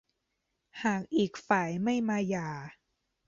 หากอีกฝ่ายไม่มาหย่า